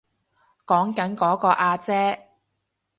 講緊嗰個阿姐